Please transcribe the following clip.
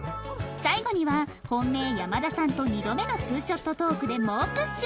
最後には本命山田さんと２度目のツーショットトークで猛プッシュ！